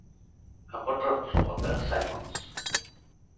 Em pots respondre, Simmons?